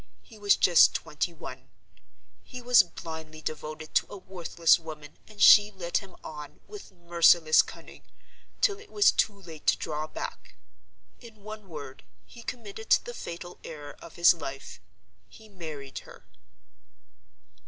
He was just twenty one: he was blindly devoted to a worthless woman; and she led him on, with merciless cunning, till it was too late to draw back. In one word, he committed the fatal error of his life: he married her.